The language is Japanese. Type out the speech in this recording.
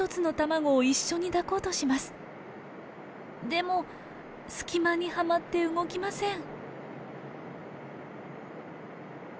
でも隙間にはまって動きません。